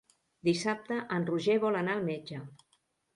Dissabte en Roger vol anar al metge.